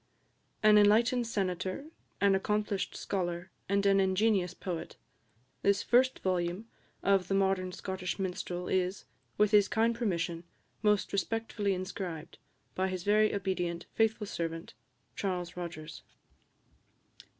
AN ENLIGHTENED SENATOR, AN ACCOMPLISHED SCHOLAR, AND AN INGENIOUS POET, THIS FIRST VOLUME OF The Modern Scottish Minstrel IS, WITH HIS KIND PERMISSION, MOST RESPECTFULLY INSCRIBED, BY HIS VERY OBEDIENT, FAITHFUL SERVANT, CHARLES ROGERS.